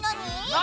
何？